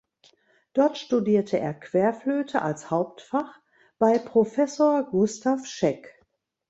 Dort studierte er Querflöte als Hauptfach bei Professor Gustav Scheck.